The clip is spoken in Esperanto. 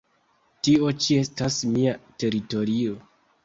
Tio ĉi estas mia teritorio".